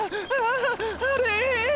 あれ？